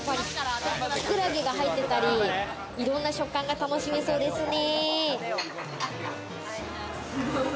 キクラゲが入ってたり、いろんな食感が楽しめそうですね。